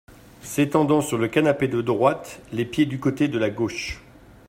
S’étendant sur le canapé de droite, les pieds du côté de la gauche.